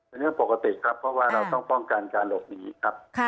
เรื่องปกติครับเพราะว่าเราต้องป้องกันการหลบหนีครับ